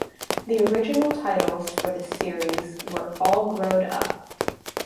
The original titles for this series were All Growed Up!